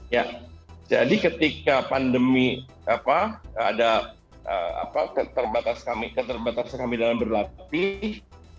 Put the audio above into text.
ya jadi ketika pandemi ada keterbatasan kami dalam berlatih